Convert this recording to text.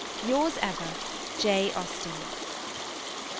Yours ever, J. AUSTEN.